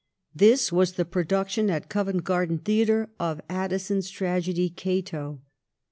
This was the production at Oovent Garden Theatre of Addison's tragedy ' Cato.'